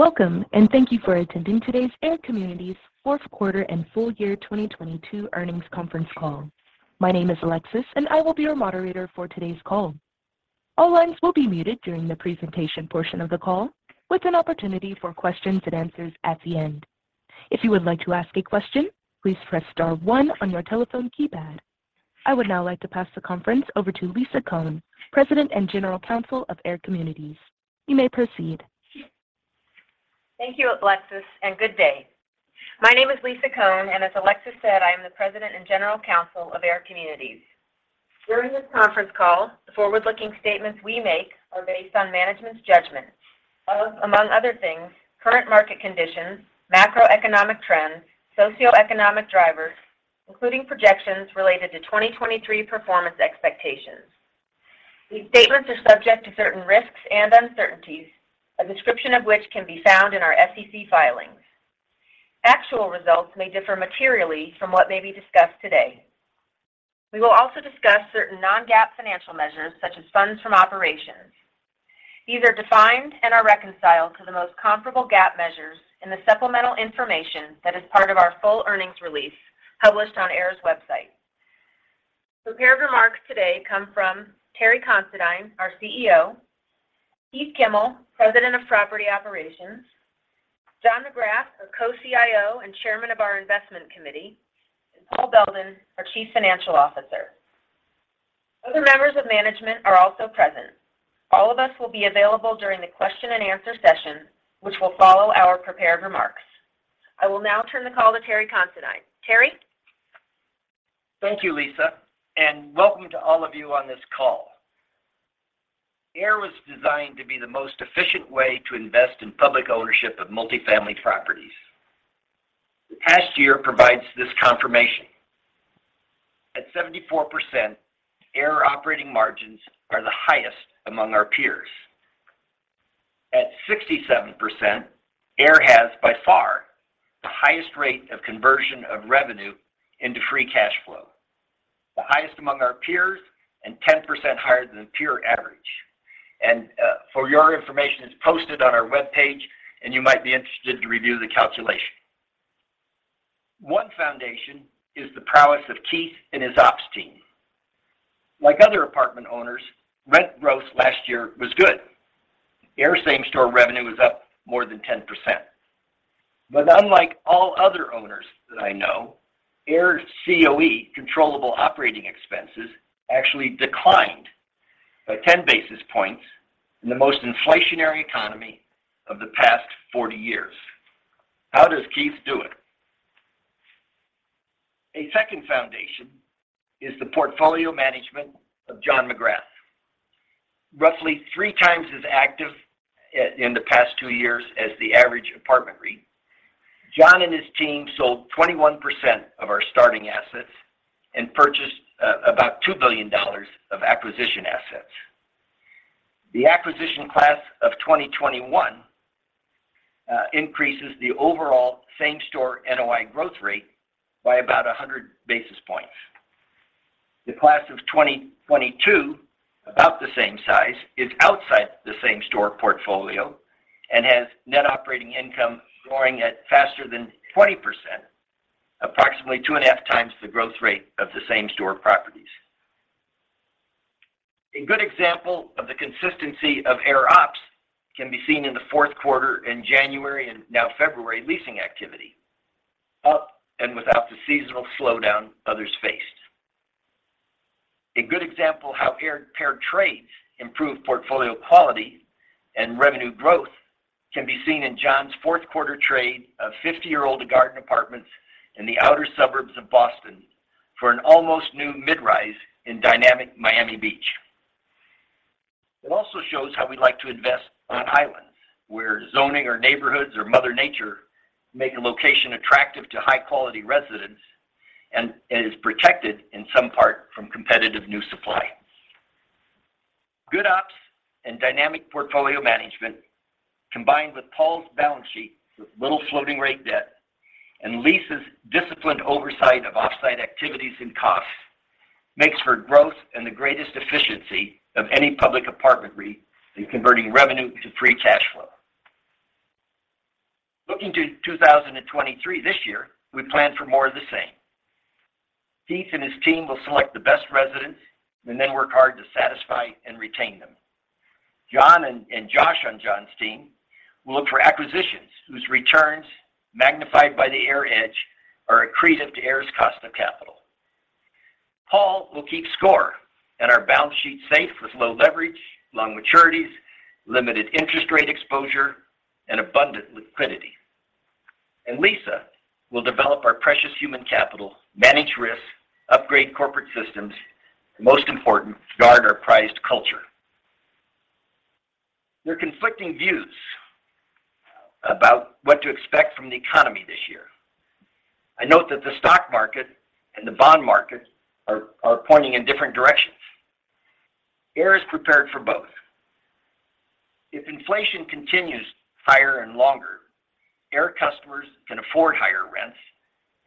Welcome, and thank you for attending today's AIR Communities fourth quarter and full year 2022 earnings conference call. My name is Alexis, and I will be your moderator for today's call. All lines will be muted during the presentation portion of the call with an opportunity for questions and answers at the end. If you would like to ask a question, please press star one on your telephone keypad. I would now like to pass the conference over to Lisa Cohn, President and General Counsel of AIR Communities. You may proceed. Thank you, Alexis. Good day. My name is Lisa Cohn, and as Alexis said, I am the President and General Counsel of AIR Communities. During this conference call, the forward-looking statements we make are based on management's judgments of, among other things, current market conditions, macroeconomic trends, socioeconomic drivers, including projections related to 2023 performance expectations. These statements are subject to certain risks and uncertainties, a description of which can be found in our SEC filings. Actual results may differ materially from what may be discussed today. We will also discuss certain non-GAAP financial measures, such as funds from operations. These are defined and are reconciled to the most comparable GAAP measures in the supplemental information that is part of our full earnings release published on AIR's website. Prepared remarks today come from Terry Considine, our CEO, Keith Kimmel, President of Property Operations, John McGrath, our Co-CIO and Chairman of our Investment Committee, and Paul Beldin, our Chief Financial Officer. Other members of management are also present. All of us will be available during the question and answer session, which will follow our prepared remarks. I will now turn the call to Terry Considine. Terry. Thank you, Lisa. Welcome to all of you on this call. AIR was designed to be the most efficient way to invest in public ownership of multi-family properties. The past year provides this confirmation. At 74%, AIR operating margins are the highest among our peers. At 67%, AIR has, by far, the highest rate of conversion of revenue into free cash flow, the highest among our peers, 10% higher than the peer average. For your information, it's posted on our webpage, and you might be interested to review the calculation. One foundation is the prowess of Keith and his ops team. Like other apartment owners, rent gross last year was good. AIR same-store revenue was up more than 10%. Unlike all other owners that I know, AIR COE, Controllable Operating Expenses, actually declined by 10 basis points in the most inflationary economy of the past 40 years. How does Keith do it? A second foundation is the portfolio management of John McGrath. Roughly 3 times as active in the past 2 years as the average apartment REIT, John and his team sold 21% of our starting assets and purchased about $2 billion of acquisition assets. The acquisition class of 2021 increases the overall same-store NOI growth rate by about 100 basis points. The class of 2022, about the same size, is outside the same-store portfolio and has net operating income growing at faster than 20%, approximately 2.5 times the growth rate of the same-store properties. A good example of the consistency of AIR ops can be seen in the fourth quarter in January and now February leasing activity, up and without the seasonal slowdown others faced. A good example how AIR paired trades improve portfolio quality and revenue growth can be seen in John's fourth quarter trade of 50-year-old garden apartments in the outer suburbs of Boston for an almost new mid-rise in dynamic Miami Beach. It also shows how we like to invest on islands where zoning or neighborhoods or mother nature make a location attractive to high-quality residents and is protected in some part from competitive new supply. Good ops and dynamic portfolio management, combined with Paul's balance sheet with little floating rate debt and Lisa's disciplined oversight of off-site activities and costs, makes for growth and the greatest efficiency of any public apartment REIT in converting revenue to free cash flow. Looking to 2023 this year, we plan for more of the same. Keith and his team will select the best residents and then work hard to satisfy and retain them. John and Josh on John's team will look for acquisitions whose returns, magnified by the AIR Edge, are accretive to AIR's cost of capital. Paul will keep score and our balance sheet safe with low leverage, long maturities, limited interest rate exposure, and abundant liquidity. Lisa will develop our precious human capital, manage risks, upgrade corporate systems, and most important, guard our prized culture. There are conflicting views about what to expect from the economy this year. I note that the stock market and the bond market are pointing in different directions. AIR is prepared for both. If inflation continues higher and longer, AIR customers can afford higher rents,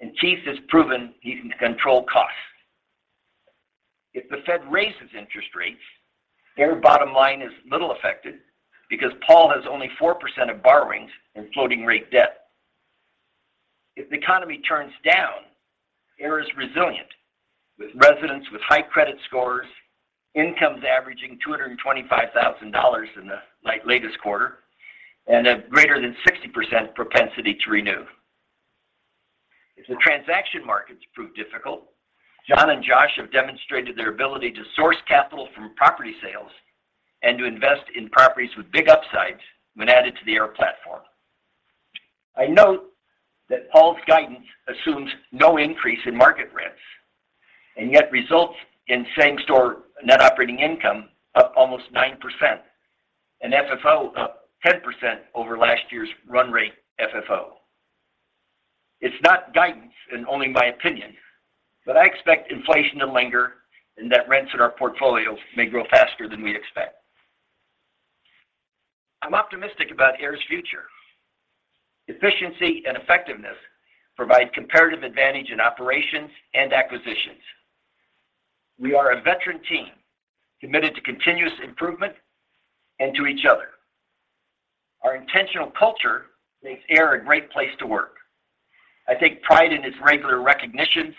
and Keith has proven he can control costs. If the Fed raises interest rates, AIR's bottom line is little affected because Paul has only 4% of borrowings and floating rate debt. If the economy turns down, AIR is resilient with residents with high credit scores, incomes averaging $225,000 in the latest quarter, and a greater than 60% propensity to renew. If the transaction markets prove difficult, John and Josh have demonstrated their ability to source capital from property sales and to invest in properties with big upsides when added to the AIR platform. I note that Paul's guidance assumes no increase in market rents, and yet results in same-store net operating income up almost 9% and FFO up 10% over last year's run rate FFO. It's not guidance and only my opinion, but I expect inflation to linger and that rents in our portfolio may grow faster than we expect. I'm optimistic about AIR's future. Efficiency and effectiveness provide comparative advantage in operations and acquisitions. We are a veteran team committed to continuous improvement and to each other. Our intentional culture makes AIR a great place to work. I take pride in its regular recognitions,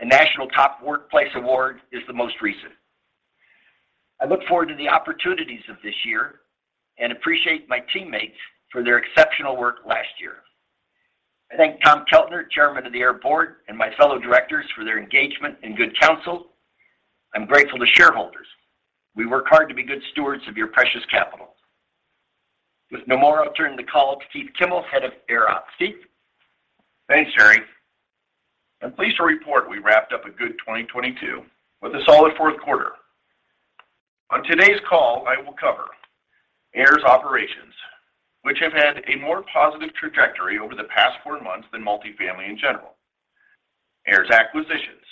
and National Top Workplaces Award is the most recent. I look forward to the opportunities of this year and appreciate my teammates for their exceptional work last year. I thank Tom Keltner, Chairman of the AIR Board, and my fellow directors for their engagement and good counsel. I'm grateful to shareholders. We work hard to be good stewards of your precious capital. With no more, I'll turn the call to Keith Kimmel, Head of AIR Ops. Keith. Thanks, Terry. I'm pleased to report we wrapped up a good 2022 with a solid fourth quarter. On today's call, I will cover AIR's operations, which have had a more positive trajectory over the past four months than multifamily in general. AIR's acquisitions,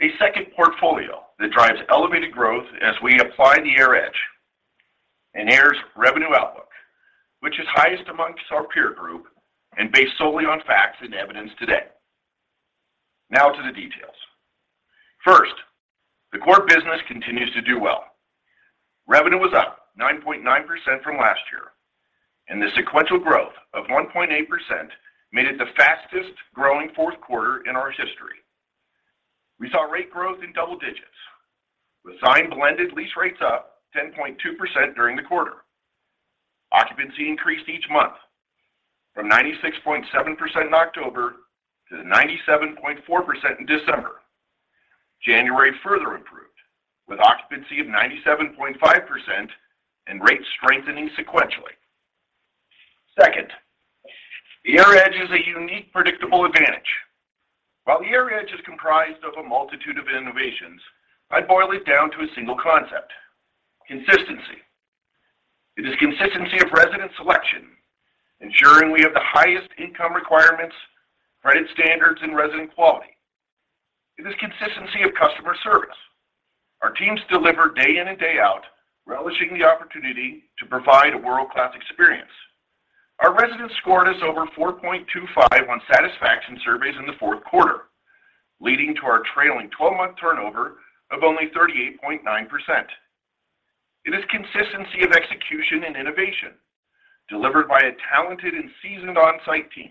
a second portfolio that drives elevated growth as we apply the AIR Edge. AIR's revenue outlook, which is highest amongst our peer group and based solely on facts and evidence today. Now to the details. First, the core business continues to do well. Revenue was up 9.9% from last year, and the sequential growth of 1.8% made it the fastest-growing fourth quarter in our history. We saw rate growth in double digits, with signed blended lease rates up 10.2% during the quarter. Occupancy increased each month from 96.7% in October to 97.4% in December. January further improved with occupancy of 97.5% and rates strengthening sequentially. Second, the AIR Edge is a unique, predictable advantage. While the AIR Edge is comprised of a multitude of innovations, I'd boil it down to a single concept, consistency. It is consistency of resident selection, ensuring we have the highest income requirements, credit standards, and resident quality. It is consistency of customer service. Our teams deliver day in and day out, relishing the opportunity to provide a world-class experience. Our residents scored us over 4.25 on satisfaction surveys in the fourth quarter, leading to our trailing 12-month turnover of only 38.9%. It is consistency of execution and innovation delivered by a talented and seasoned on-site team,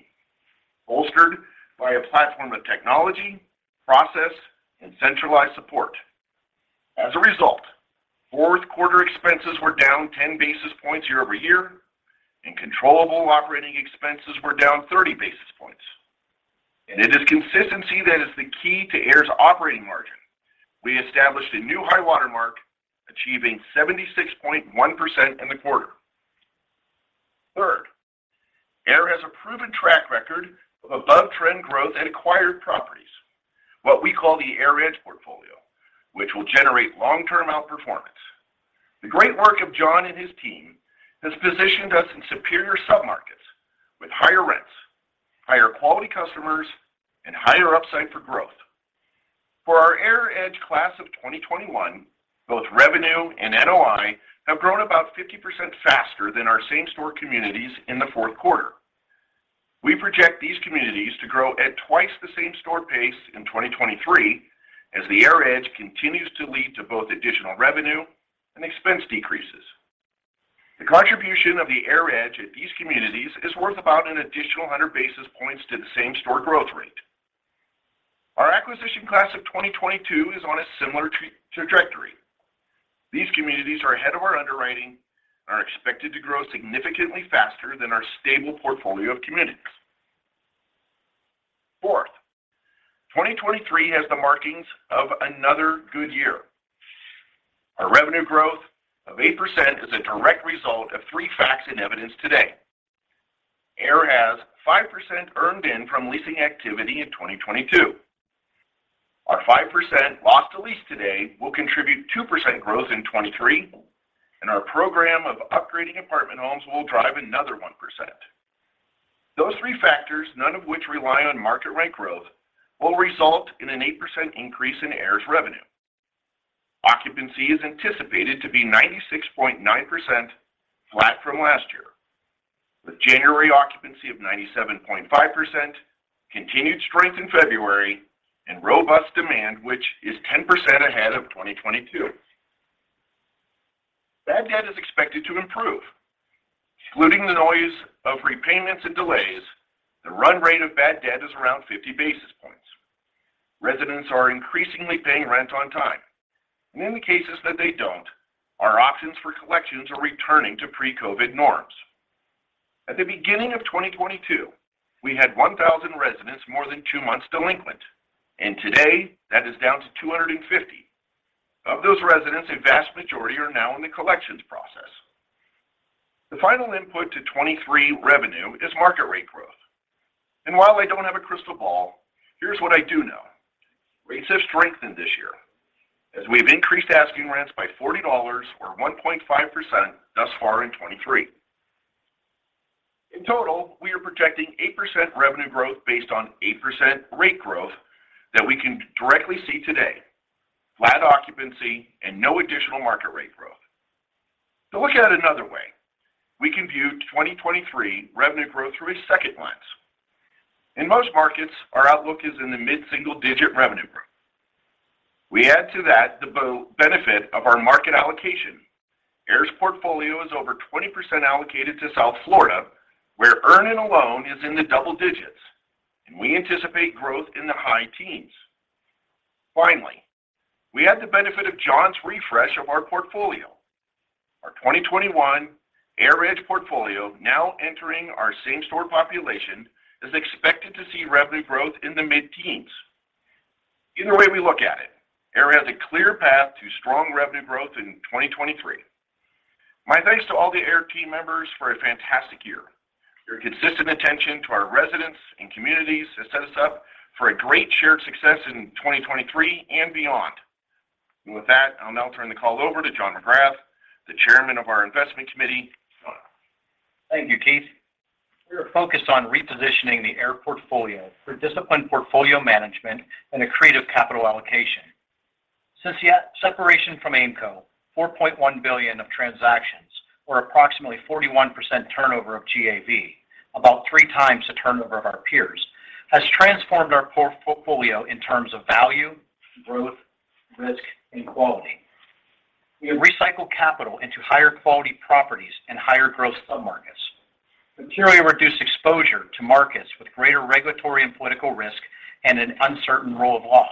bolstered by a platform of technology, process, and centralized support. As a result, fourth quarter expenses were down 10 basis points year-over-year, and Controllable Operating Expenses were down 30 basis points. It is consistency that is the key to AIR's operating margin. We established a new high-water mark, achieving 76.1% in the quarter. Third, AIR has a proven track record of above-trend growth at acquired properties, what we call the AIR Edge portfolio, which will generate long-term outperformance. The great work of John and his team has positioned us in superior submarkets with higher rents, higher quality customers, and higher upside for growth. For our AIR Edge class of 2021, both revenue and NOI have grown about 50% faster than our same-store communities in the fourth quarter. We project these communities to grow at twice the same-store pace in 2023 as the AIR Edge continues to lead to both additional revenue and expense decreases. The contribution of the AIR Edge at these communities is worth about an additional 100 basis points to the same-store growth rate. Our acquisition class of 2022 is on a similar trajectory. These communities are ahead of our underwriting and are expected to grow significantly faster than our stable portfolio of communities. Fourth, 2023 has the markings of another good year. Our revenue growth of 8% is a direct result of three facts and evidence today. AIR has 5% earned in from leasing activity in 2022. Our 5% lost to lease today will contribute 2% growth in 2023, and our program of upgrading apartment homes will drive another 1%. Those three factors, none of which rely on market rent growth, will result in an 8% increase in AIR's revenue. Occupancy is anticipated to be 96.9%, flat from last year. With January occupancy of 97.5%, continued strength in February, and robust demand, which is 10% ahead of 2022. Bad debt is expected to improve. Excluding the noise of repayments and delays, the run rate of bad debt is around 50 basis points. Residents are increasingly paying rent on time. In the cases that they don't, our options for collections are returning to pre-COVID norms. At the beginning of 2022, we had 1,000 residents more than two months delinquent, and today, that is down to 250. Of those residents, a vast majority are now in the collections process. The final input to 23 revenue is market rate growth. While I don't have a crystal ball, here's what I do know. Rates have strengthened this year as we've increased asking rents by $40 or 1.5% thus far in 23. In total, we are projecting 8% revenue growth based on 8% rate growth that we can directly see today, flat occupancy and no additional market rate growth. To look at it another way, we can view 2023 revenue growth through a second lens. In most markets, our outlook is in the mid-single-digit revenue growth. We add to that the benefit of our market allocation. AIR's portfolio is over 20% allocated to South Florida, where earn and alone is in the double digits, and we anticipate growth in the high teens. Finally, we have the benefit of John's refresh of our portfolio. Our 2021 AIR Edge portfolio, now entering our same store population, is expected to see revenue growth in the mid-teens. Either way we look at it, AIR has a clear path to strong revenue growth in 2023. My thanks to all the AIR team members for a fantastic year. Your consistent attention to our residents and communities has set us up for a great shared success in 2023 and beyond. With that, I'll now turn the call over to John McGrath, the Chairman of our Investment Committee. Thank you, Keith. We are focused on repositioning the AIR portfolio for disciplined portfolio management and accretive capital allocation. Since the separation from Aimco, $4.1 billion of transactions or approximately 41% turnover of GAV, about 3x the turnover of our peers, has transformed our portfolio in terms of value, growth, risk, and quality. We have recycled capital into higher quality properties and higher growth submarkets. Materially reduced exposure to markets with greater regulatory and political risk and an uncertain rule of law.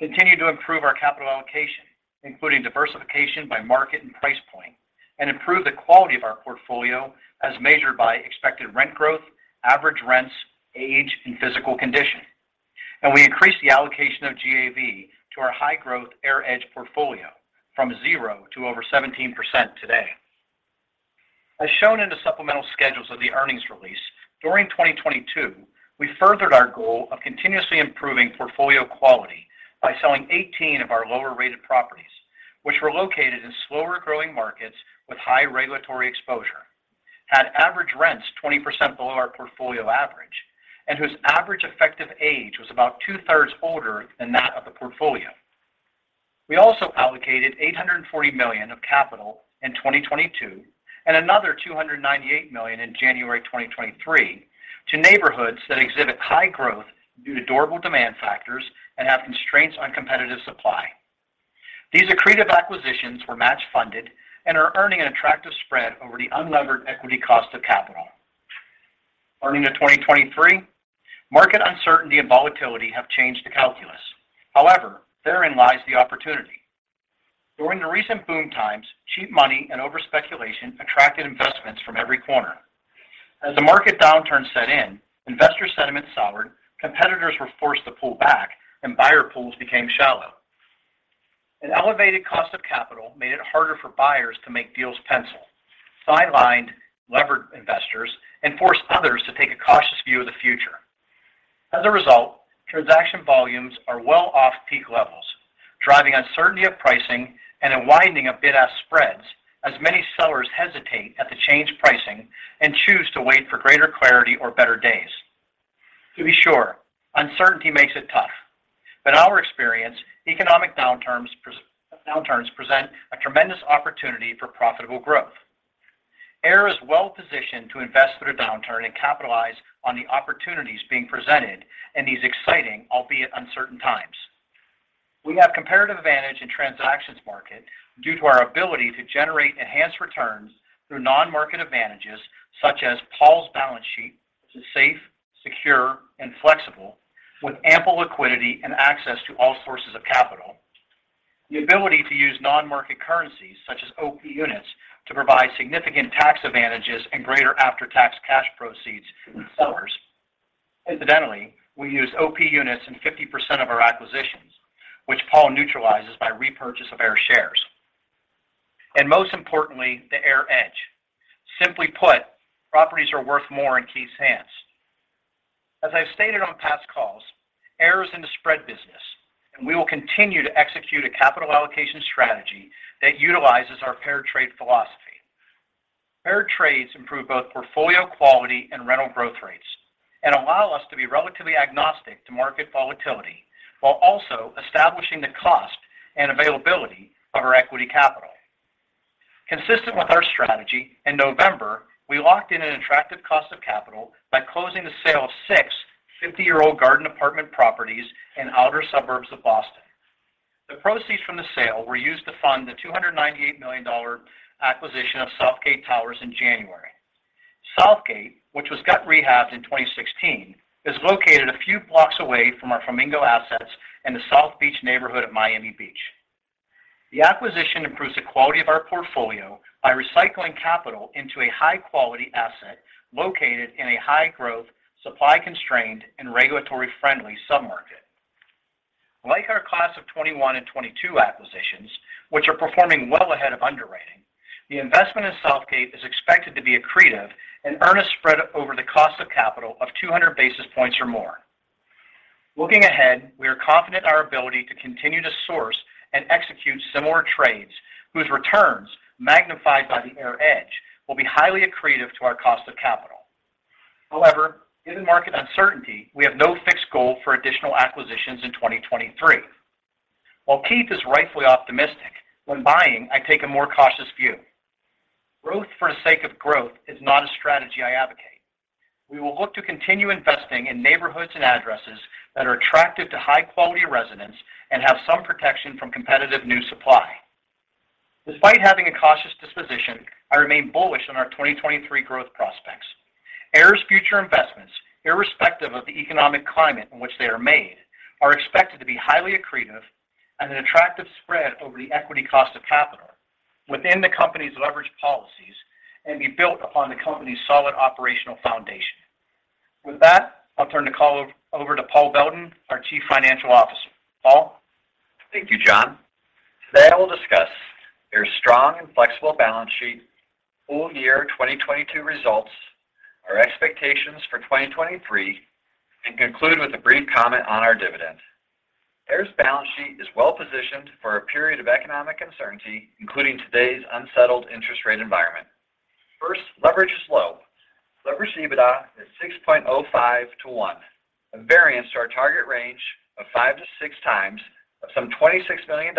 Continue to improve our capital allocation, including diversification by market and price point, and improve the quality of our portfolio as measured by expected rent growth, average rents, age, and physical condition. We increased the allocation of GAV to our high-growth AIR Edge portfolio from zero to over 17% today. As shown in the supplemental schedules of the earnings release, during 2022, we furthered our goal of continuously improving portfolio quality by selling 18 of our lower-rated properties, which were located in slower-growing markets with high regulatory exposure, had average rents 20% below our portfolio average, and whose average effective age was about 2/3 older than that of the portfolio. We also allocated $840 million of capital in 2022, and another $298 million in January 2023 to neighborhoods that exhibit high growth due to durable demand factors and have constraints on competitive supply. These accretive acquisitions were match funded and are earning an attractive spread over the unlevered equity cost of capital. Earning to 2023, market uncertainty and volatility have changed the calculus. However, therein lies the opportunity. During the recent boom times, cheap money and overspeculation attracted investments from every corner. As the market downturn set in, investor sentiment soured, competitors were forced to pull back, and buyer pools became shallow. An elevated cost of capital made it harder for buyers to make deals pencil, sidelined levered investors and forced others to take a cautious view of the future. As a result, transaction volumes are well off peak levels, driving uncertainty of pricing and a widening of bid-ask spreads as many sellers hesitate at the changed pricing and choose to wait for greater clarity or better days. To be sure, uncertainty makes it tough. In our experience, economic downturns present a tremendous opportunity for profitable growth. AIR is well-positioned to invest through the downturn and capitalize on the opportunities being presented in these exciting, albeit uncertain times. We have comparative advantage in transactions market due to our ability to generate enhanced returns through non-market advantages such as Paul's balance sheet, which is safe, secure, and flexible, with ample liquidity and access to all sources of capital. The ability to use non-market currencies, such as OP Units, to provide significant tax advantages and greater after-tax cash proceeds to sellers. Incidentally, we use OP Units in 50% of our acquisitions, which Paul neutralizes by repurchase of our shares. Most importantly, the AIR Edge. Simply put, properties are worth more in Keith's hands. As I've stated on past calls, AIR is in the spread business, and we will continue to execute a capital allocation strategy that utilizes our pair trade philosophy. Pair trades improve both portfolio quality and rental growth rates. Allow us to be relatively agnostic to market volatility while also establishing the cost and availability of our equity capital. Consistent with our strategy, in November, we locked in an attractive cost of capital by closing the sale of six 50-year-old garden apartment properties in outer suburbs of Boston. The proceeds from the sale were used to fund the $298 million acquisition of Southgate Towers in January. Southgate, which was gut rehabbed in 2016, is located a few blocks away from our Flamingo assets in the South Beach neighborhood of Miami Beach. The acquisition improves the quality of our portfolio by recycling capital into a high-quality asset located in a high-growth, supply-constrained, and regulatory-friendly sub-market. Like our class of 21 and 22 acquisitions, which are performing well ahead of underwriting, the investment in Southgate is expected to be accretive and earn a spread over the cost of capital of 200 basis points or more. Looking ahead, we are confident in our ability to continue to source and execute similar trades whose returns, magnified by the AIR Edge, will be highly accretive to our cost of capital. Given market uncertainty, we have no fixed goal for additional acquisitions in 2023. While Keith is rightfully optimistic, when buying, I take a more cautious view. Growth for the sake of growth is not a strategy I advocate. We will look to continue investing in neighborhoods and addresses that are attractive to high-quality residents and have some protection from competitive new supply. Despite having a cautious disposition, I remain bullish on our 2023 growth prospects. AIR's future investments, irrespective of the economic climate in which they are made, are expected to be highly accretive and an attractive spread over the equity cost of capital within the company's leverage policies and be built upon the company's solid operational foundation. With that, I'll turn the call over to Paul Beldin, our Chief Financial Officer. Paul? Thank you, John. Today I will discuss AIR's strong and flexible balance sheet, full year 2022 results, our expectations for 2023, and conclude with a brief comment on our dividend. AIR's balance sheet is well-positioned for a period of economic uncertainty, including today's unsettled interest rate environment. First, leverage is low. Leverage EBITDA is 6.05 to one, a variance to our target range of five to 6x of some $26 million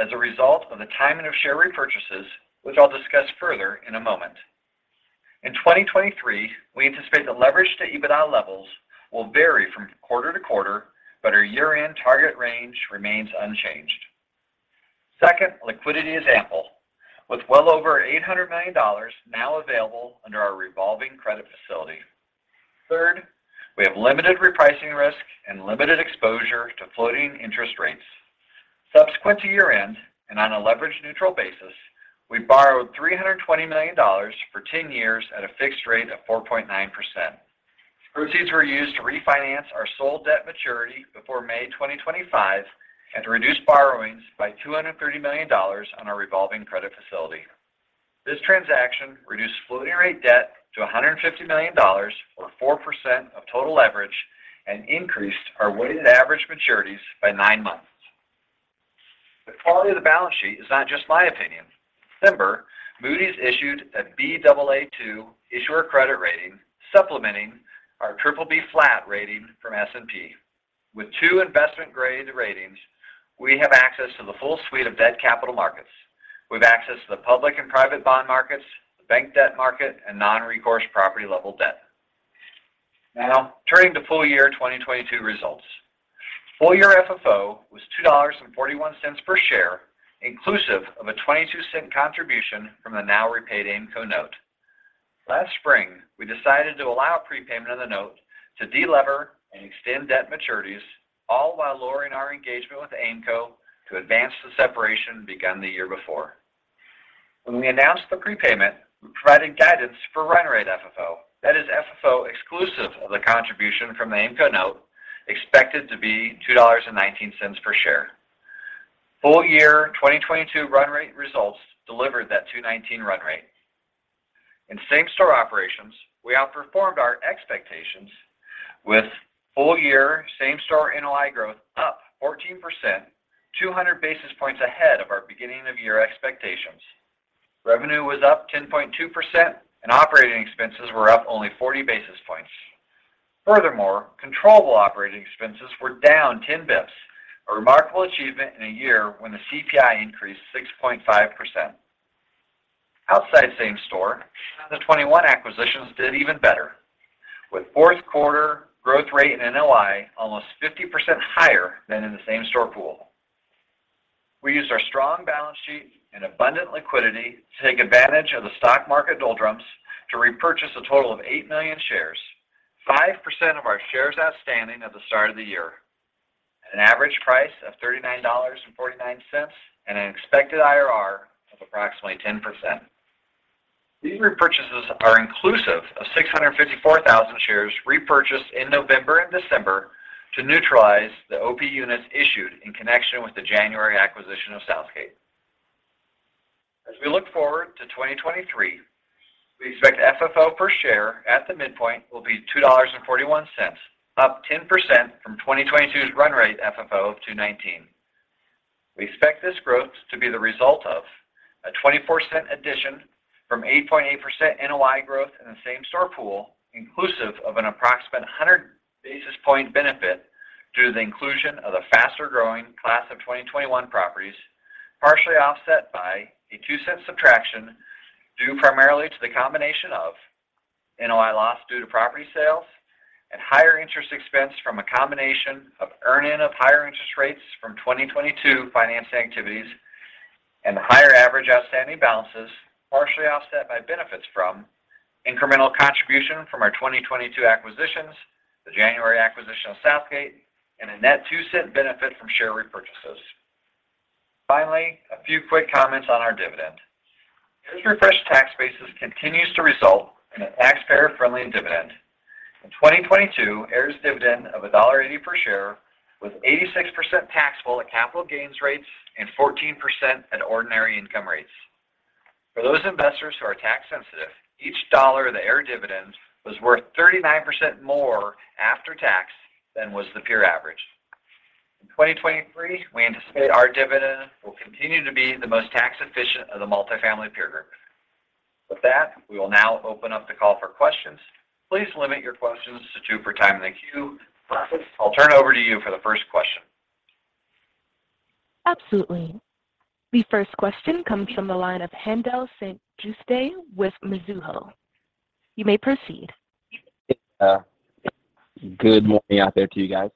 as a result of the timing of share repurchases, which I'll discuss further in a moment. In 2023, we anticipate the leverage to EBITDA levels will vary from quarter to quarter, but our year-end target range remains unchanged. Second, liquidity is ample, with well over $800 million now available under our revolving credit facility. Third, we have limited repricing risk and limited exposure to floating interest rates. Subsequent to year-end, and on a leverage-neutral basis, we borrowed $320 million for 10 years at a fixed rate of 4.9%. Proceeds were used to refinance our sole debt maturity before May 2025 and to reduce borrowings by $230 million on our revolving credit facility. This transaction reduced floating rate debt to $150 million, or 4% of total leverage, and increased our weighted average maturities by nine months. The quality of the balance sheet is not just my opinion. In December, Moody's issued a Baa2 issuer credit rating, supplementing our BBB flat rating from S&P. With two investment-grade ratings, we have access to the full suite of debt capital markets. We have access to the public and private bond markets, the bank debt market, and non-recourse property-level debt. Turning to full year 2022 results. Full year FFO was $2.41 per share, inclusive of a $0.22 contribution from the now repaid Aimco note. Last spring, we decided to allow prepayment of the note to de-lever and extend debt maturities, all while lowering our engagement with Aimco to advance the separation begun the year before. When we announced the prepayment, we provided guidance for run rate FFO. That is FFO exclusive of the contribution from the Aimco note, expected to be $2.19 per share. Full year 2022 run rate results delivered that $2.19 run rate. In same-store operations, we outperformed our expectations with full year same-store NOI growth up 14%, 200 basis points ahead of our beginning of year expectations. Revenue was up 10.2%. Operating expenses were up only 40 basis points. Furthermore, Controllable Operating Expenses were down 10 basis points, a remarkable achievement in a year when the CPI increased 6.5%. Outside same store, the 2021 acquisitions did even better, with fourth quarter growth rate in NOI almost 50% higher than in the same-store pool. We used our strong balance sheet and abundant liquidity to take advantage of the stock market doldrums to repurchase a total of 8 million shares, 5% of our shares outstanding at the start of the year, at an average price of $39.49, and an expected IRR of approximately 10%. These repurchases are inclusive of 654,000 shares repurchased in November and December to neutralize the OP Units issued in connection with the January acquisition of Southgate. As we look forward to 2023, we expect FFO per share at the midpoint will be $2.41, up 10% from 2022's run rate FFO of $2.19. We expect this growth to be the result of a $0.24 addition from 8.8% NOI growth in the same-store pool, inclusive of an approximate 100 basis point benefit due to the inclusion of the faster-growing class of 2021 properties, partially offset by a $0.02 subtraction due primarily to the combination of NOI loss due to property sales and higher interest expense from a combination of earn-in of higher interest rates from 2022 financing activities and the higher average outstanding balances, partially offset by benefits from incremental contribution from our 2022 acquisitions, the January acquisition of Southgate, and a net $0.02 benefit from share repurchases. Finally, a few quick comments on our dividend. AIR's refreshed tax basis continues to result in a taxpayer-friendly dividend. In 2022, AIR's dividend of $1.80 per share was 86% taxable at capital gains rates and 14% at ordinary income rates. For those investors who are tax sensitive, each dollar of the AIR dividend was worth 39% more after tax than was the peer average. In 2023, we anticipate our dividend will continue to be the most tax efficient of the multifamily peer group. With that, we will now open up the call for questions. Please limit your questions to two per time in the queue. Operator, I'll turn it over to you for the first question. Absolutely. The first question comes from the line of Haendel St. Juste with Mizuho. You may proceed. Yeah. Good morning out there to you guys.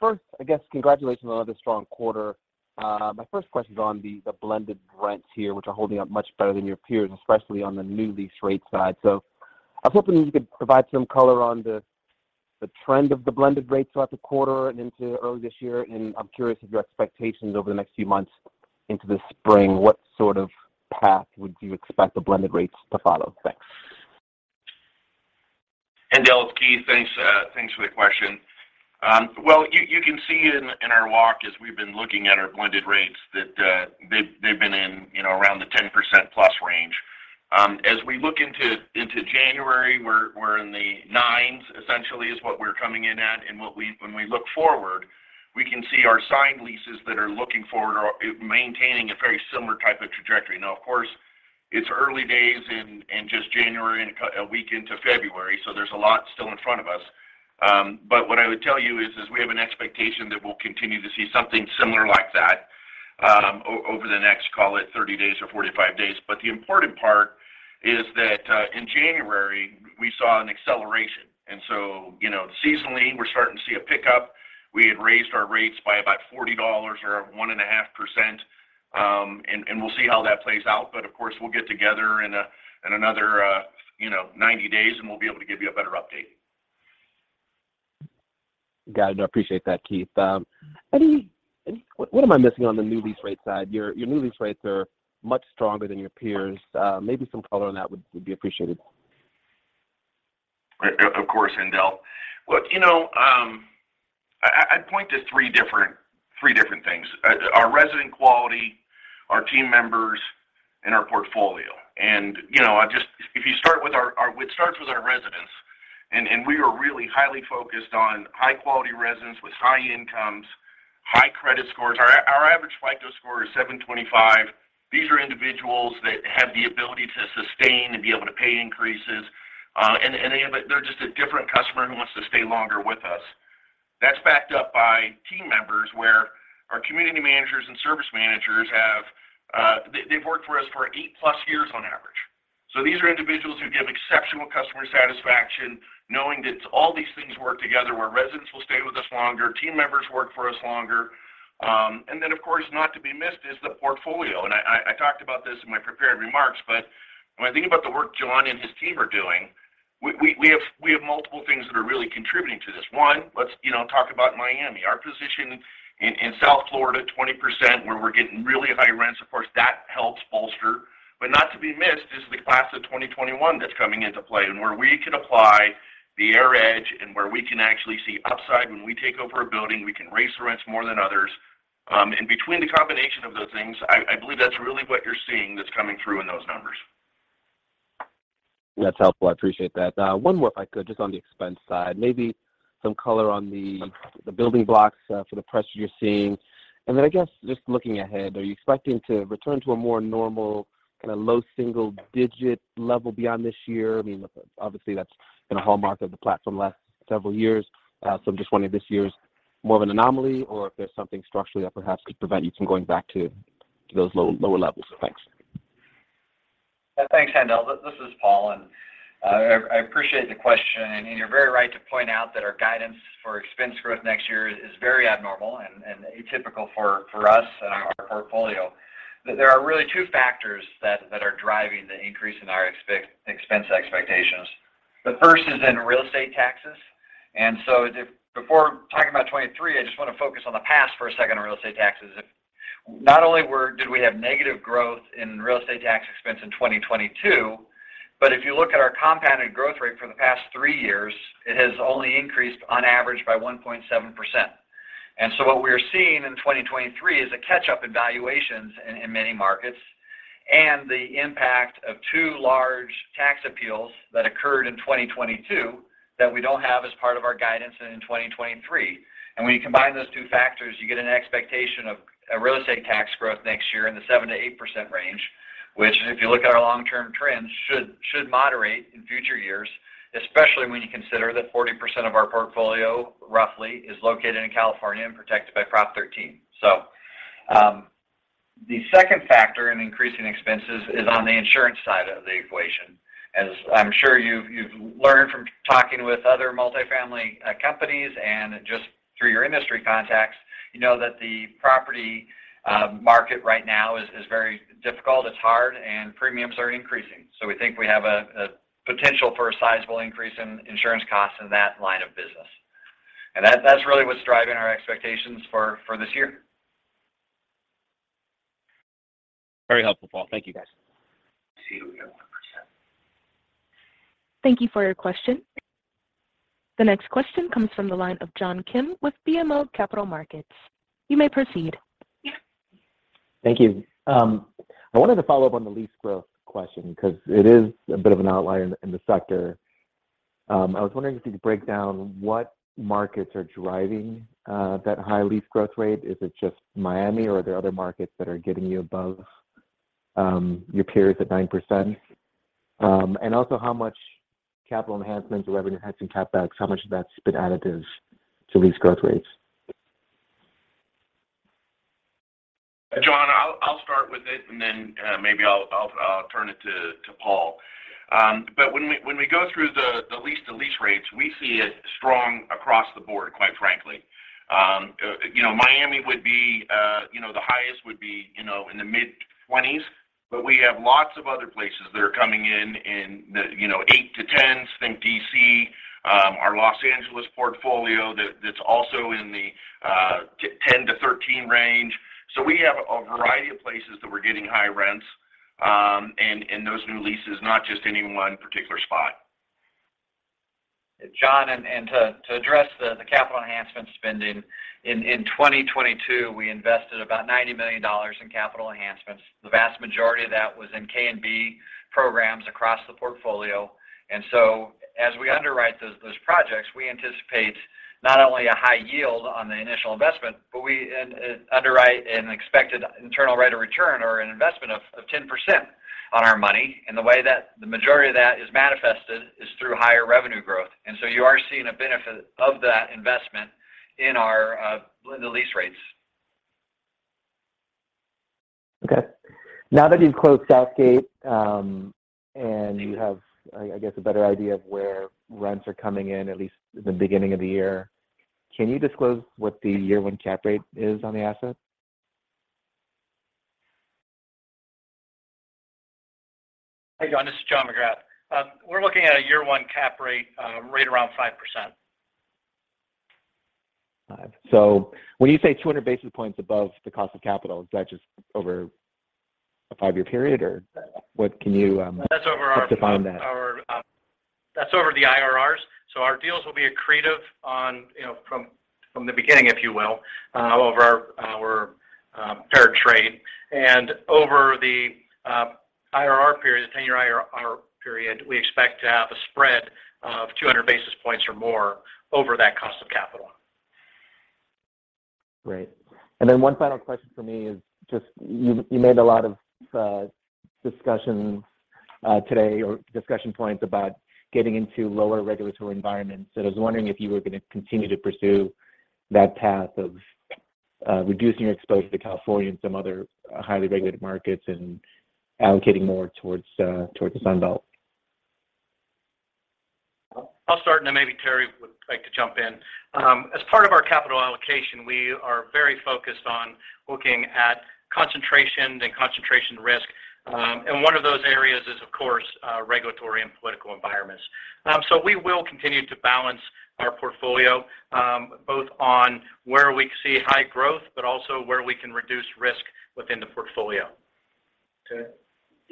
First, I guess congratulations on another strong quarter. My first question is on the blended rents here, which are holding up much better than your peers, especially on the new lease rate side. I was hoping you could provide some color on the trend of the blended rates throughout the quarter and into early this year. I'm curious of your expectations over the next few months into the spring. What sort of path would you expect the blended rates to follow? Thanks. Haendel, it's Keith. Thanks, thanks for the question. Well, you can see in our walk as we've been looking at our blended rates that they've been in, you know, around the 10% plus range. As we look into January, we're in the nine's essentially is what we're coming in at. When we look forward, we can see our signed leases that are looking forward are maintaining a very similar type of trajectory. Now, of course, it's early days and just January and a week into February, so there's a lot still in front of us. What I would tell you is, we have an expectation that we'll continue to see something similar like that over the next, call it 30 days or 45 days. The important part is that, in January we saw an acceleration. You know, seasonally we're starting to see a pickup. We had raised our rates by about $40 or 1.5%, and we'll see how that plays out. Of course, we'll get together in a, in another, you know, 90 days, and we'll be able to give you a better update. Got it. I appreciate that, Keith. What am I missing on the new lease rate side? Your new lease rates are much stronger than your peers. Maybe some color on that would be appreciated. Of course, Haendel. Look, you know, I'd point to three different things. Our resident quality, our team members, and our portfolio. you know, It starts with our residents, and we are really highly focused on high-quality residents with high incomes, high credit scores. Our average FICO score is 725. These are individuals that have the ability to sustain and be able to pay increases, and they're just a different customer who wants to stay longer with us. That's backed up by team members, where our community managers and service managers have, they've worked for us for eight+ years on average. These are individuals who give exceptional customer satisfaction, knowing that all these things work together, where residents will stay with us longer, team members work for us longer. Of course, not to be missed is the portfolio. I talked about this in my prepared remarks, but when I think about the work John and his team are doing, we have multiple things that are really contributing to this. One, let's, you know, talk about Miami. Our position in South Florida, 20%, where we're getting really high rents, of course that helps bolster. Not to be missed is the class of 2021 that's coming into play, and where we can apply the AIR Edge and where we can actually see upside when we take over a building, we can raise the rents more than others. Between the combination of those things, I believe that's really what you're seeing that's coming through in those numbers. That's helpful. I appreciate that. One more if I could, just on the expense side. Maybe some color on the building blocks, for the pressure you're seeing. Then I guess just looking ahead, are you expecting to return to a more normal kind of low single digit level beyond this year? I mean, obviously that's been a hallmark of the platform the last several years. I'm just wondering if this year is more of an anomaly or if there's something structurally that perhaps could prevent you from going back to those low, lower levels. Thanks. Thanks, Haendel. This is Paul, and I appreciate the question. You're very right to point out that our guidance for expense growth next year is very abnormal and atypical for us and our portfolio. There are really two factors that are driving the increase in our expense expectations. The first is in real estate taxes. Before talking about 2023, I just want to focus on the past for a second on real estate taxes. Not only did we have negative growth in real estate tax expense in 2022, but if you look at our compounded growth rate for the past 3 years, it has only increased on average by 1.7%. What we're seeing in 2023 is a catch-up in valuations in many markets. The impact of two large tax appeals that occurred in 2022 that we don't have as part of our guidance in 2023. When you combine those two factors, you get an expectation of a real estate tax growth next year in the 7%-8% range which, if you look at our long-term trends, should moderate in future years, especially when you consider that 40% of our portfolio roughly is located in California and protected by Prop 13. The second factor in increasing expenses is on the insurance side of the equation. As I'm sure you've learned from talking with other multifamily companies and just through your industry contacts, you know that the property market right now is very difficult. It's hard. Premiums are increasing. We think we have a potential for a sizable increase in insurance costs in that line of business. That's really what's driving our expectations for this year. Very helpful, Paul. Thank you guys. Let's see who we have next. Thank you for your question. The next question comes from the line of John Kim with BMO Capital Markets. You may proceed. Thank you. I wanted to follow up on the lease growth question because it is a bit of an outlier in the sector. I was wondering if you could break down what markets are driving that high lease growth rate. Is it just Miami, or are there other markets that are getting you above your peers at 9%? How much capital enhancements or revenue enhancing CapEx, how much of that's been additives to lease growth rates? John, I'll start with it and then maybe I'll turn it to Paul. When we go through the lease-to-lease rates, we see it strong across the board, quite frankly. You know, Miami would be, you know, the highest would be, you know, in the mid-20s, but we have lots of other places that are coming in in the, you know, eight to ten's, think D.C., our Los Angeles portfolio that's also in the 10-13 range. We have a variety of places that we're getting high rents, and those new leases, not just any one particular spot. John, and to address the capital enhancement spending, in 2022, we invested about $90 million in capital enhancements. The vast majority of that was in K&B programs across the portfolio. As we underwrite those projects, we anticipate not only a high yield on the initial investment, but we underwrite an expected internal rate of return or an investment of 10% on our money. The way that the majority of that is manifested is through higher revenue growth. You are seeing a benefit of that investment in our the lease rates. Now that you've closed Southgate, and you have, I guess, a better idea of where rents are coming in, at least the beginning of the year, can you disclose what the year one cap rate is on the asset? Hey, John, this is John McGrath. We're looking at a year one cap rate, right around 5%. Five. When you say 200 basis points above the cost of capital, is that just over a five-year period, or what can you? That's over. help define that. Our, that's over the IRRs. Our deals will be accretive on, you know, from the beginning, if you will, over our, paired trade. Over the, IRR period, the 10-year IRR period, we expect to have a spread of 200 basis points or more over that cost of capital. Great. One final question for me is just you made a lot of discussions today or discussion points about getting into lower regulatory environments. I was wondering if you were gonna continue to pursue that path of reducing your exposure to California and some other highly regulated markets and allocating more towards the Sun Belt. I'll start, and then maybe Terry would like to jump in. As part of our capital allocation, we are very focused on looking at concentration and concentration risk. One of those areas is, of course, regulatory and political environments. We will continue to balance our portfolio, both on where we see high growth but also where we can reduce risk within the portfolio. Okay.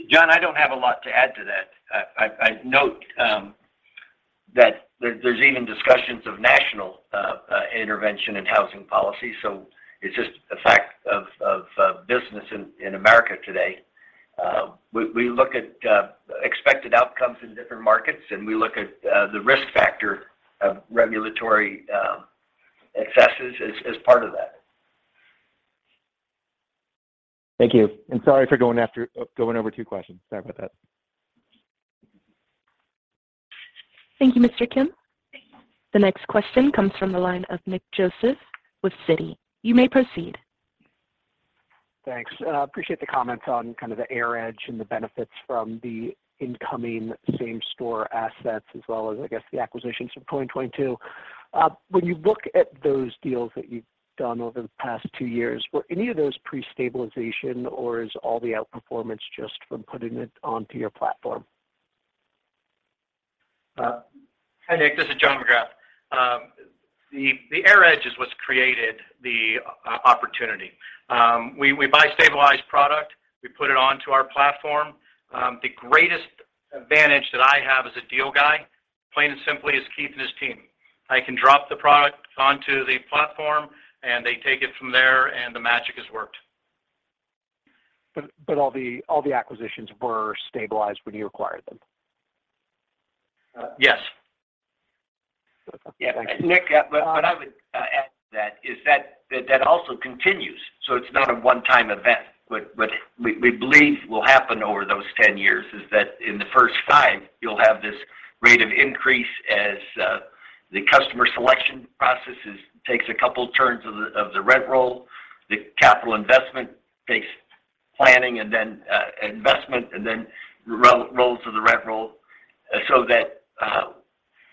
John, I don't have a lot to add to that. I note that there's even discussions of national intervention in housing policy. It's just a fact of business in America today. We look at expected outcomes in different markets. We look at the risk factor of regulatory excesses as part of that. Thank you. Sorry for going over two questions. Sorry about that. Thank you, Mr. Kim. The next question comes from the line of Nick Joseph with Citi. You may proceed. Thanks. appreciate the comments on kind of the AIR Edge and the benefits from the incoming same store assets as well as, I guess, the acquisitions from 2022. When you look at those deals that you've done over the past two years, were any of those pre-stabilization, or is all the outperformance just from putting it onto your platform? Hi, Nick. This is John McGrath. The AIR Edge is what's created the opportunity. We buy stabilized product. We put it onto our platform. The greatest advantage that I have as a deal guy. Plain and simply, it's Keith and his team. I can drop the product onto the platform, and they take it from there, and the magic is worked. All the acquisitions were stabilized when you acquired them? Yes. Okay. Thank you. Yeah, Nick, what I would add to that is that also continues, so it's not a one-time event. What we believe will happen over those 10 years is that in the first five, you'll have this rate of increase as the customer selection processes takes a couple turns of the rent roll, the capital investment takes planning and then investment and then rolls of the rent roll.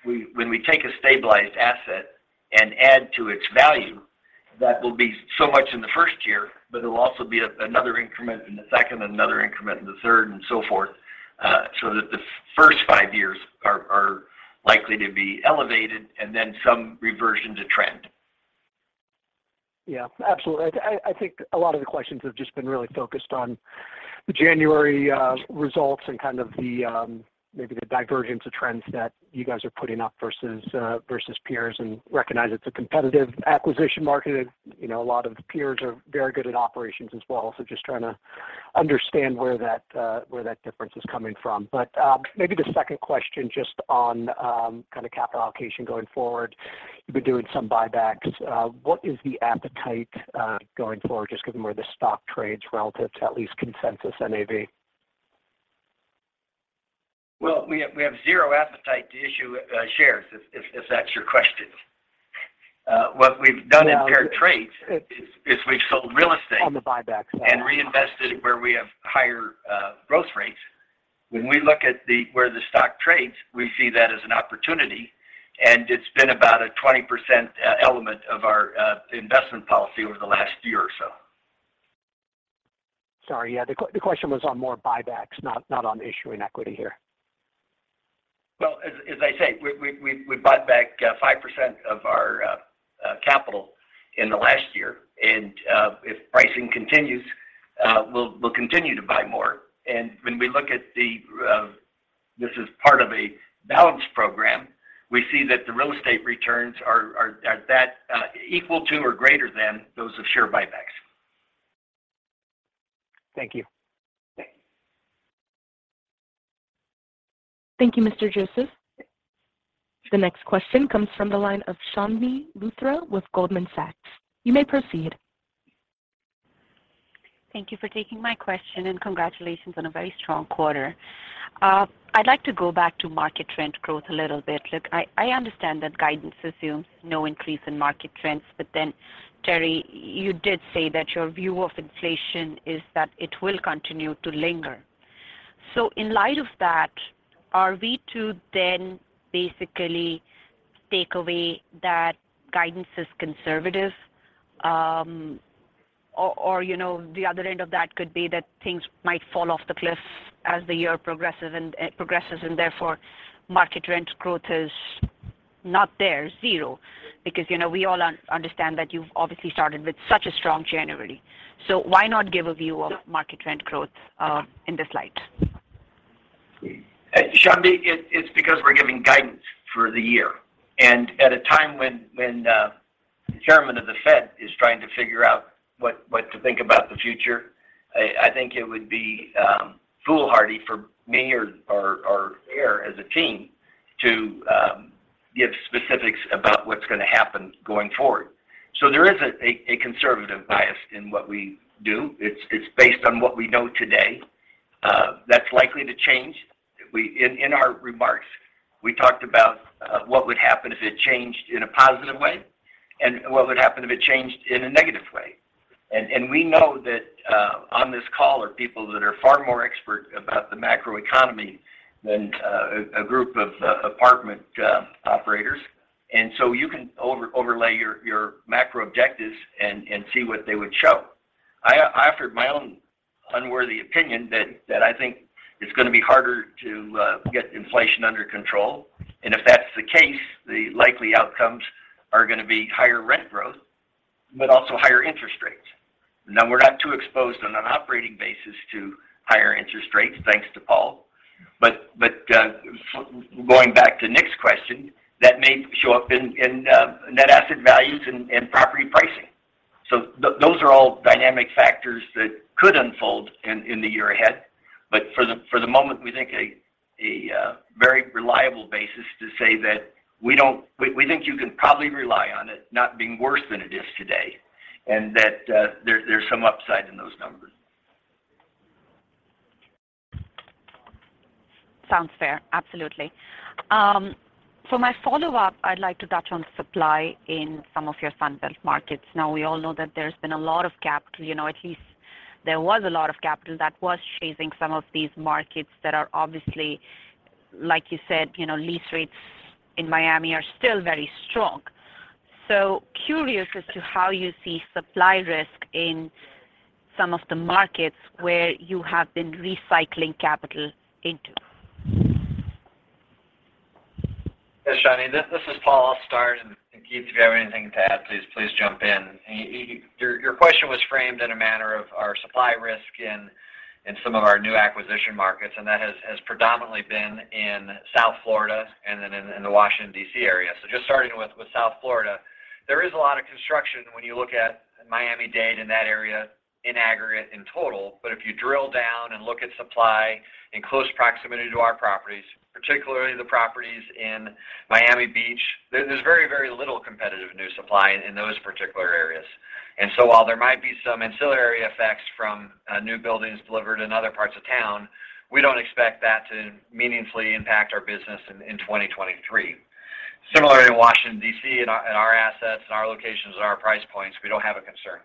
When we take a stabilized asset and add to its value, that will be so much in the first year, but it'll also be another increment in the second and another increment in the third and so forth, so that the first five years are likely to be elevated and then some reversion to trend. Yeah, absolutely. I think a lot of the questions have just been really focused on the January results and kind of the maybe the divergence of trends that you guys are putting up versus versus peers and recognize it's a competitive acquisition market. You know, a lot of the peers are very good at operations as well. Just trying to understand where that where that difference is coming from. Maybe the second question just on kinda capital allocation going forward. You've been doing some buybacks. What is the appetite going forward, just given where the stock trades relative to at least consensus NAV? We have zero appetite to issue shares if that's your question. Yeah. It. is we've sold real estate On the buyback side. reinvested where we have higher, growth rates. When we look at the, where the stock trades, we see that as an opportunity, and it's been about a 20%, element of our, investment policy over the last year or so. Sorry, yeah. The question was on more buybacks, not on issuing equity here. Well, as I say, we bought back 5% of our capital in the last year. If pricing continues, we'll continue to buy more. When we look at the, this is part of a balanced program, we see that the real estate returns are that equal to or greater than those of share buybacks. Thank you. Okay. Thank you, Mr. Joseph. The next question comes from the line of Chandni Luthra with Goldman Sachs. You may proceed. Thank you for taking my question. Congratulations on a very strong quarter. I'd like to go back to market trend growth a little bit. Look, I understand that guidance assumes no increase in market trends. Terry, you did say that your view of inflation is that it will continue to linger. In light of that, are we to then basically take away that guidance is conservative? Or, you know, the other end of that could be that things might fall off the cliff as the year progresses, and progresses, and therefore market rent growth is not there, zero. You know, we all understand that you've obviously started with such a strong January. Why not give a view of market rent growth in this light? Chandni, it's because we're giving guidance for the year. At a time when the chairman of the Fed is trying to figure out what to think about the future, I think it would be foolhardy for me or AIR as a team to give specifics about what's gonna happen going forward. There is a conservative bias in what we do. It's based on what we know today. That's likely to change. In our remarks, we talked about what would happen if it changed in a positive way and what would happen if it changed in a negative way. We know that on this call are people that are far more expert about the macroeconomy than a group of apartment operators. You can over-overlay your macro objectives and see what they would show. I offered my own unworthy opinion that I think it's gonna be harder to get inflation under control. If that's the case, the likely outcomes are gonna be higher rent growth but also higher interest rates. Now, we're not too exposed on an operating basis to higher interest rates, thanks to Paul. Going back to Nick's question, that may show up in net asset values and property pricing. Those are all dynamic factors that could unfold in the year ahead. For the moment, we think a very reliable basis to say that we don't... We think you can probably rely on it not being worse than it is today, and that, there's some upside in those numbers. Sounds fair. Absolutely. For my follow-up, I'd like to touch on supply in some of your Sun Belt markets. We all know that there's been a lot of capital, you know, at least there was a lot of capital that was chasing some of these markets that are obviously, like you said, you know, lease rates in Miami are still very strong. Curious as to how you see supply risk in some of the markets where you have been recycling capital into? Yes, Chandni. This is Paul. I'll start, and Keith, if you have anything to add, please jump in. Your question was framed in a manner of our supply risk in-. In some of our new acquisition markets, and that has predominantly been in South Florida and then in the Washington D.C. area. Just starting with South Florida, there is a lot of construction when you look at Miami-Dade and that area in aggregate in total. If you drill down and look at supply in close proximity to our properties, particularly the properties in Miami Beach, there's very, very little competitive new supply in those particular areas. While there might be some ancillary effects from new buildings delivered in other parts of town, we don't expect that to meaningfully impact our business in 2023. Similarly, in Washington D.C., in our assets and our locations and our price points, we don't have a concern.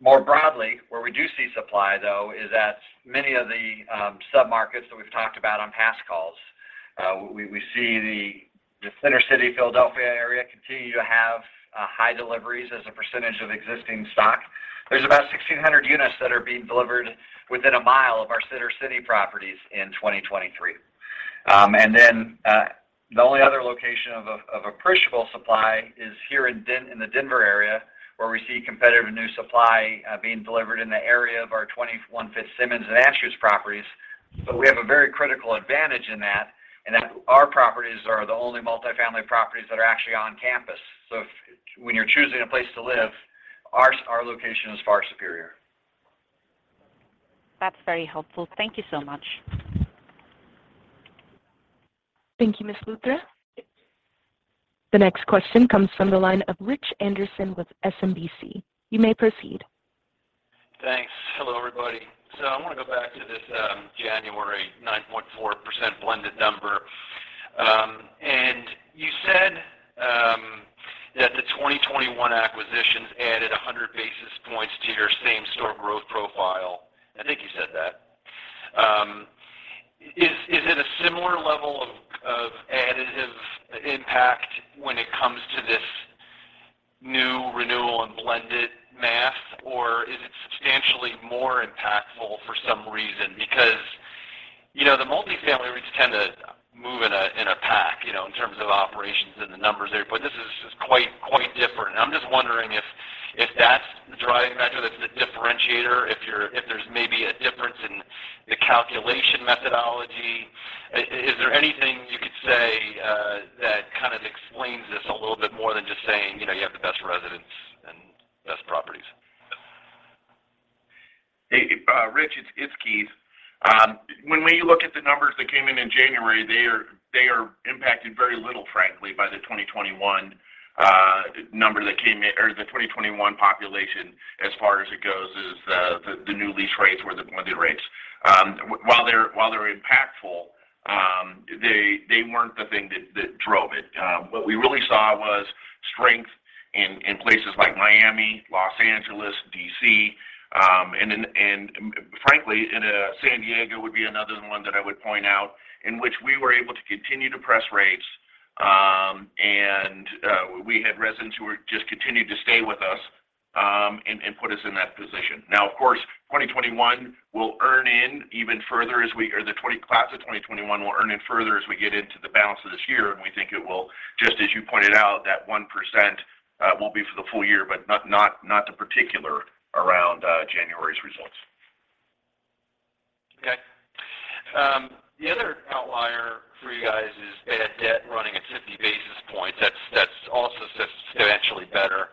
More broadly, where we do see supply, though, is at many of the submarkets that we've talked about on past calls. We see the Center City Philadelphia area continue to have high deliveries as a percentage of existing stock. There's about 1,600 units that are being delivered within a mile of our Center City properties in 2023. The only other location of appreciable supply is here in the Denver area, where we see competitive new supply being delivered in the area of our 21 Fitzsimons and Asher properties. We have a very critical advantage in that our properties are the only multi-family properties that are actually on campus. When you're choosing a place to live, our location is far superior. That's very helpful. Thank you so much. Thank you, Ms. Luthra. The next question comes from the line of Rich Anderson with SMBC. You may proceed. Thanks. Hello, everybody. I wanna go back to this January 9.4% blended number. You said that the 2021 acquisitions added 100 basis points to your same-store growth profile. I think you said that. Is it a similar level of additive impact when it comes to this new renewal and blended math, or is it substantially more impactful for some reason? You know, the multifamily rates tend to move in a pack, you know, in terms of operations and the numbers there, but this is just quite different. I'm just wondering if that's the driving factor, that's the differentiator, if there's maybe a difference in the calculation methodology. Is there anything you could say, that kind of explains this a little bit more than just saying, you know, you have the best residents and best properties? Hey, Rich, it's Keith. When we look at the numbers that came in in January, they are impacted very little, frankly, by the 2021 number that came in, or the 2021 population as far as it goes as the new lease rates or the blended rates. While they're impactful, they weren't the thing that drove it. What we really saw was strength in places like Miami, Los Angeles, D.C., and frankly, in San Diego would be another one that I would point out, in which we were able to continue to press rates, and we had residents who were just continued to stay with us, and put us in that position. Of course, 2021 will earn in even further as the class of 2021 will earn in further as we get into the balance of this year, and we think it will, just as you pointed out, that 1% will be for the full year, but not, not the particular around January's results. Okay. The other outlier for you guys is bad debt running at 50 basis points. That's also substantially better.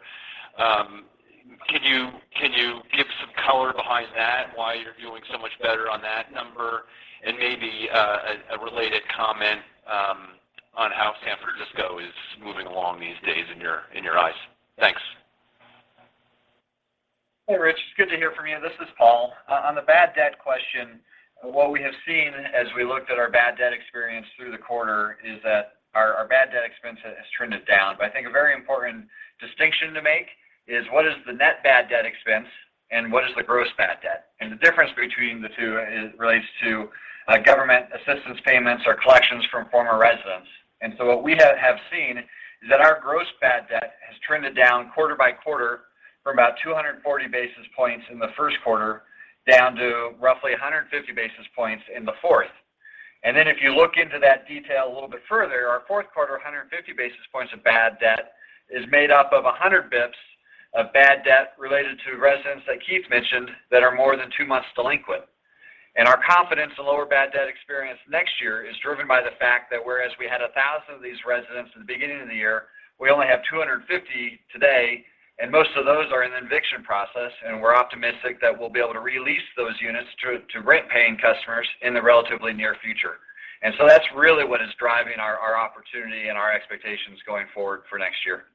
Can you give some color behind that, why you're doing so much better on that number? Maybe, a related comment, on how San Francisco is moving along these days in your eyes. Thanks. Hey, Rich. Good to hear from you. This is Paul. On the bad debt question, what we have seen as we looked at our bad debt experience through the quarter is that our bad debt expense has trended down. I think a very important distinction to make is what is the net bad debt expense and what is the gross bad debt? The difference between the two is relates to government assistance payments or collections from former residents. What we have seen is that our gross bad debt has trended down quarter by quarter from about 240 basis points in the first quarter down to roughly 150 basis points in the fourth. If you look into that detail a little bit further, our fourth quarter 150 basis points of bad debt is made up of 100 bips of bad debt related to residents that Keith mentioned that are more than two months delinquent. Our confidence in lower bad debt experience next year is driven by the fact that whereas we had 1,000 of these residents in the beginning of the year, we only have 250 today, and most of those are in the eviction process, and we're optimistic that we'll be able to re-lease those units to rent-paying customers in the relatively near future. That's really what is driving our opportunity and our expectations going forward for next year.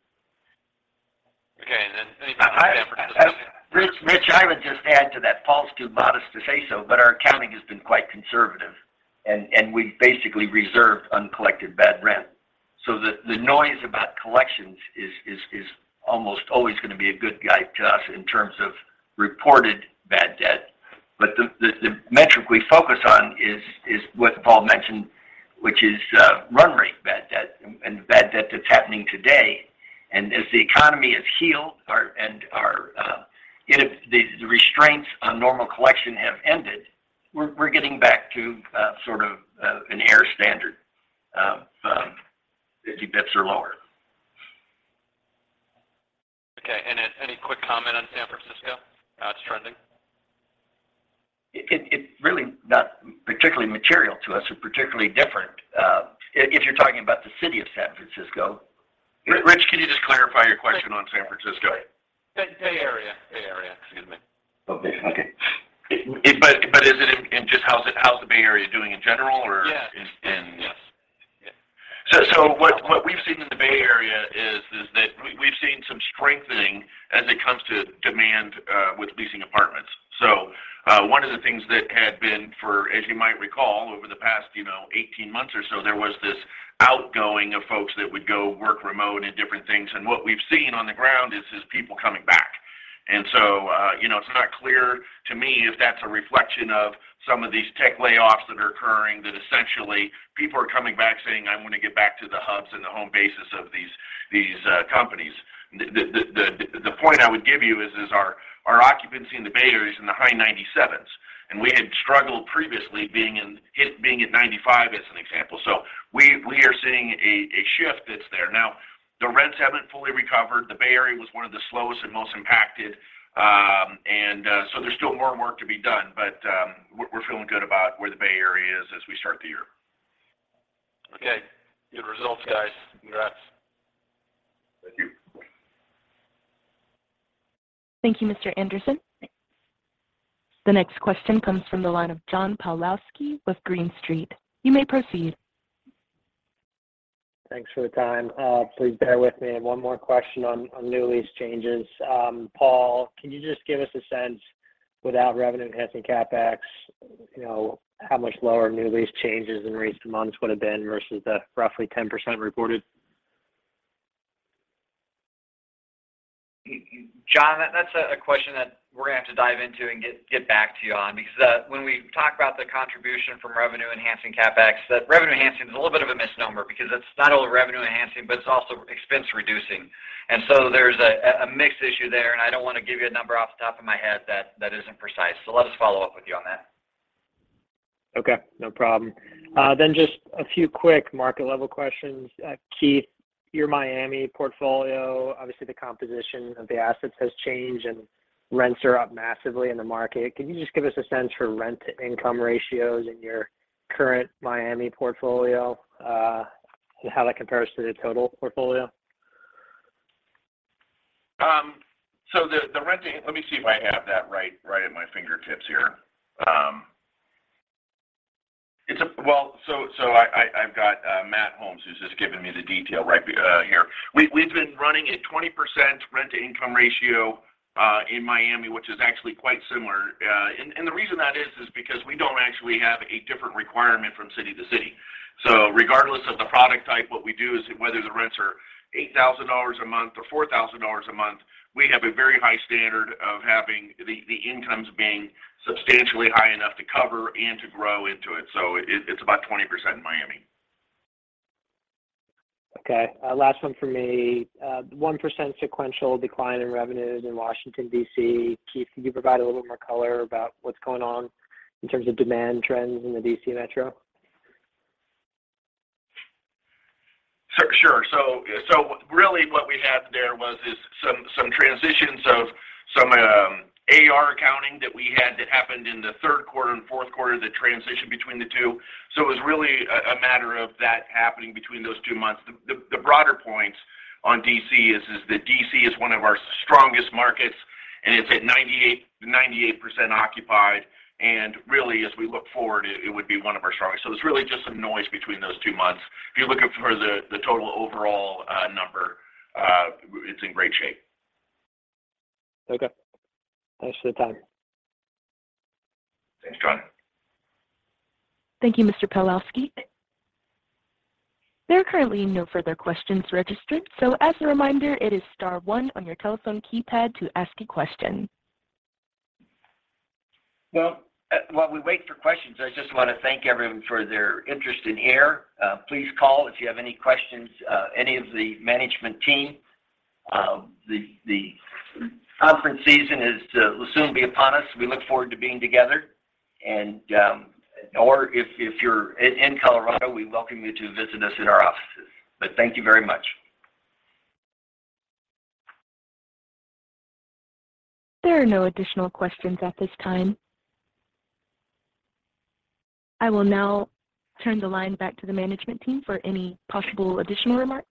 Okay. Anything about San Francisco? Rich, I would just add to that, Paul's too modest to say so, but our accounting has been quite conservative and we basically reserved uncollected bad rent. The noise about collections is almost always gonna be a good guide to us in terms of reported bad debt. The metric we focus on is what Paul mentioned, which is run rate bad debt and bad debt that's happening today. As the economy has healed and our, the restraints on normal collection have ended, we're getting back to sort of an AIR standard. Okay. Any quick comment on San Francisco, how it's trending? It really not particularly material to us or particularly different, if you're talking about the city of San Francisco. Rich, can you just clarify your question on San Francisco? Bay Area. Bay Area. Excuse me. Okay. Okay. Is it in just how's the Bay Area doing in general? Yeah. In, in- Yes. Yeah. What we've seen in the Bay Area is that we've seen some strengthening as it comes to demand with leasing apartments. One of the things that had been for, as you might recall, over the past, you know, 18 months or so, there was this outgoing of folks that would go work remote and different things. What we've seen on the ground is people coming back. You know, it's not clear to me if that's a reflection of some of these tech layoffs that are occurring, that essentially people are coming back saying, "I wanna get back to the hubs and the home bases of these companies." The point I would give you is our occupancy in the Bay Area is in the high 97s, and we had struggled previously being at 95 as an example. We are seeing a shift that's there. The rents haven't fully recovered. The Bay Area was one of the slowest and most impacted. There's still more work to be done, but we're feeling good about where the Bay Area is as we start the year. Okay. Good results, guys. Congrats. Thank you. Thank you, Mr. Anderson. The next question comes from the line of John Pawlowski with Green Street. You may proceed. Thanks for the time. Please bear with me. I have one more question on new lease changes. Paul, can you just give us a sense without revenue-enhancing CapEx, you know, how much lower new lease changes in recent months would've been versus the roughly 10% reported? John, that's a question that we're gonna have to dive into and get back to you on because when we talk about the contribution from revenue-enhancing CapEx, that revenue enhancing is a little bit of a misnomer because it's not only revenue enhancing, but it's also expense reducing. There's a mixed issue there, and I don't wanna give you a number off the top of my head that isn't precise. Let us follow up with you on that. Okay. No problem. Just a few quick market-level questions. Keith, your Miami portfolio, obviously the composition of the assets has changed, and rents are up massively in the market. Can you just give us a sense for rent-to-income ratios in your current Miami portfolio, and how that compares to the total portfolio? The rent to... Let me see if I have that right at my fingertips here. Well, I've got Matthew Holmes, who's just given me the detail right here. We've been running at 20% rent-to-income ratio in Miami, which is actually quite similar. The reason that is because we don't actually have a different requirement from city to city. Regardless of the product type, what we do is whether the rents are $8,000 a month or $4,000 a month, we have a very high standard of having the incomes being substantially high enough to cover and to grow into it. It's about 20% in Miami. Okay. Last one from me. 1% sequential decline in revenues in Washington, D.C. Keith, can you provide a little more color about what's going on in terms of demand trends in the D.C. Metro? Sure. Really what we had there was, is some transitions of some AR accounting that we had that happened in the third quarter and fourth quarter, the transition between the two. It was really a matter of that happening between those two months. The broader points on D.C. is that D.C. is one of our strongest markets, and it's at 98% occupied. Really, as we look forward, it would be one of our strongest. It's really just some noise between those two months. If you're looking for the total overall number, it's in great shape. Okay. Thanks for the time. Thanks, John. Thank you, Mr. Pawlowski. There are currently no further questions registered, so as a reminder, it is star one on your telephone keypad to ask a question. Well, while we wait for questions, I just wanna thank everyone for their interest in AIR. Please call if you have any questions, any of the management team. The conference season will soon be upon us. We look forward to being together. Or if you're in Colorado, we welcome you to visit us in our offices. Thank you very much. There are no additional questions at this time. I will now turn the line back to the management team for any possible additional remarks.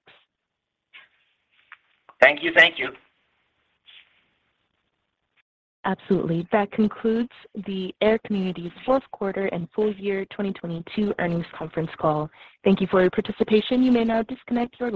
Thank you. Thank you. Absolutely. That concludes the AIR Communities fourth quarter and full year 2022 earnings conference call. Thank you for your participation. You may now disconnect your line.